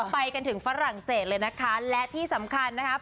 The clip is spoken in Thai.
ไปกันถึงฝรั่งเศสเลยนะคะและที่สำคัญนะครับ